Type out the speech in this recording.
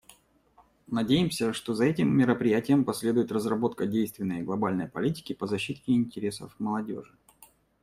Надеемся, что за этим мероприятием последует разработка действенной глобальной политики по защите интересов молодежи.